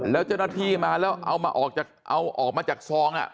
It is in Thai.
แล้วเจ้าหน้าที่มาเอามาหลอกมาจากซอง